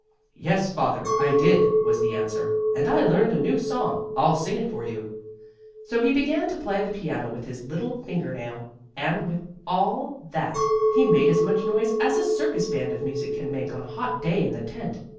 "Yes, father, I did," was the answer. "And I learned a new song. I'll sing it for you." So he began to play the piano with his little finger nail, and still, and with all that, he made as much noise as a circus band of music can make on a hot day in the tent.